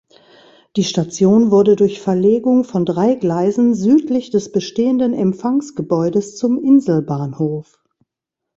Die Station wurde durch Verlegung von drei Gleisen südlich des bestehenden Empfangsgebäudes zum Inselbahnhof.